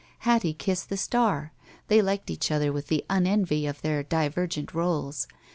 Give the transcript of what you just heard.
Hattie kissed the star. They liked each other with the unenvy of their divergent roles.